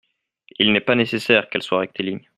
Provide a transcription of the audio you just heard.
Il n’est pas nécessaire qu’elle soit rectiligne.